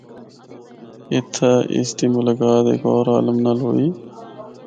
اِتھا اُس دی ملاقات ہک ہور عالم نال ہوئی۔